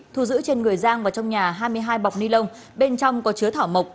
thu giữ trên người giang và trong nhà hai mươi hai bọc ni lông bên trong có chứa thảo mộc